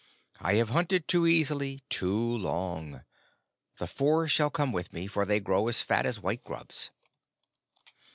I have hunted too easily too long. The Four shall come with me, for they grow as fat as white grubs."